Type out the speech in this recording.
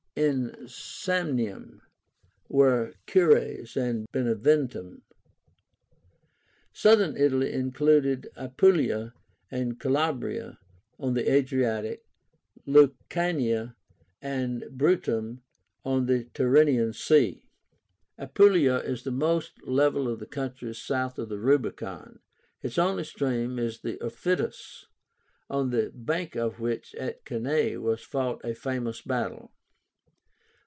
In Samnium were Cures and Beneventum. SOUTHERN ITALY included APULIA and CALABRIA on the Adriatic, LUCANIA and BRUTTUM on the Tyrrhenian Sea. Apulia is the most level of the countries south of the Rubicon. Its only stream is the Aufidus, on the bank of which at Cannae was fought a famous battle.